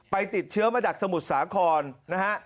ติดเชื้อมาจากสมุทรสาครนะฮะ